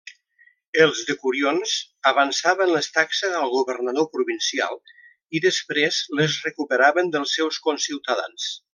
Els decurions avançaven les taxes al governador provincial i després les recuperaven dels seus conciutadans.